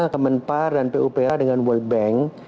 kemenpar dan pupr dengan world bank